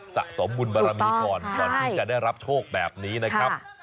สะสมบุญบารมีก่อนก่อนที่จะได้รับโชคแบบนี้นะครับ